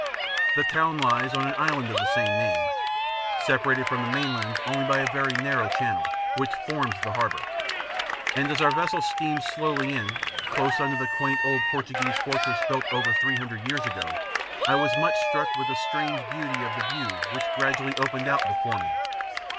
The town lies on an island of the same name, separated from the mainland only by a very narrow channel, which forms the harbour; and as our vessel steamed slowly in, close under the quaint old Portuguese fortress built over three hundred years ago, I was much struck with the strange beauty of the view which gradually opened out before me.